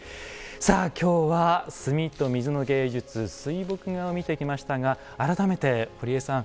さあ今日は墨と水の芸術水墨画を見てきましたが改めて堀江さん